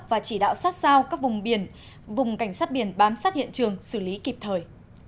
và chỉ đạo sát sao các vùng biển vùng cảnh sát biển bám sát hiện trường xử lý kịp thời